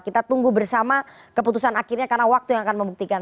kita tunggu bersama keputusan akhirnya karena waktu yang akan membuktikan